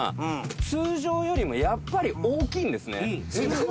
通常よりもやっぱり大きいんです。